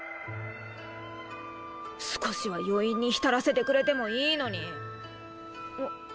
少しは余韻に浸らせてくれてもいいのにあっ。